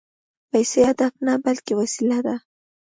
پیسې هدف نه، بلکې وسیله ده